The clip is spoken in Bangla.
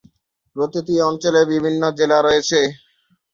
প্রতিটি অঞ্চলে বিভিন্ন জেলা রয়েছে।